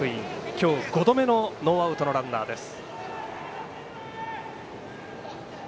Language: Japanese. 今日５度目のノーアウトのランナーです。